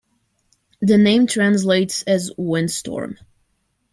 The name translates as "windstorm".